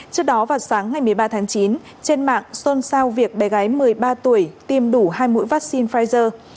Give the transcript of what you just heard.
trước đó vào sáng ngày một mươi ba tháng chín trên mạng xôn xao việc bé gái một mươi ba tuổi tiêm đủ hai mũi vaccine pfizer